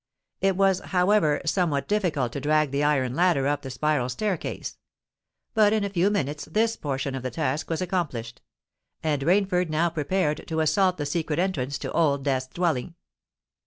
It was, however, somewhat difficult to drag the iron ladder up the spiral staircase; but in a few minutes this portion of the task was accomplished; and Rainford now prepared to assault the secret entrance to Old Death's dwelling.